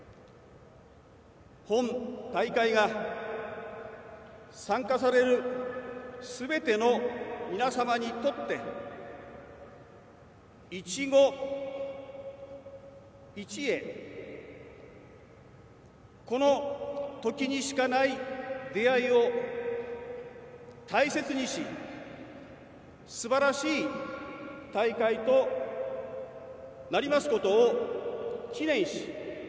本大会が参加されるすべての皆様にとって一期一会、この時にしかない出会いを大切にしすばらしい大会となりますことを祈念し